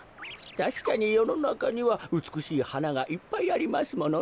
たしかによのなかにはうつくしいはながいっぱいありますものね。